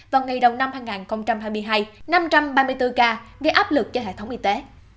vào ngày đầu năm hai nghìn hai mươi hai năm trăm ba mươi bốn ca gây áp lực cho hệ thống y tế